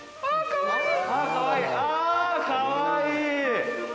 かわいい。